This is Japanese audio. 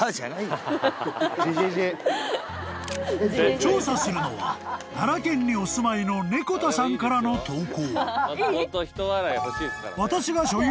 ［調査するのは奈良県にお住まいの猫田さんからの投稿］